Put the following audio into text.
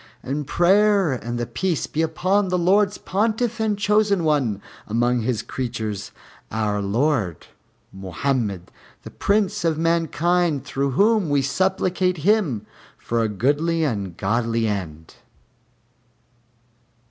And prayer and the Peace be upon the Lord's Pontiff and Chosen One among His creatures, our Lord MOHAMMED the Prince of mankind, through whom we supplicate Him for a goodly and a godly end.